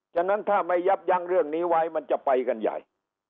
ฉะนั้นถ้าไม่ยับยั้งเรื่องนี้ไว้มันจะไปกันใหญ่